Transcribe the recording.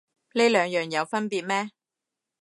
呢兩樣有分別咩